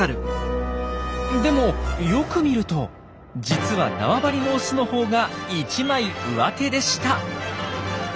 でもよく見ると実は縄張りのオスのほうが一枚うわてでした。